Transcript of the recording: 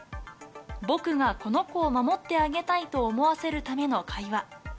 僕がこの子を守ってあげたいと思わせるための会話。